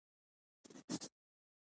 د خوځښت، لوژستیک او ساختماني چارو لپاره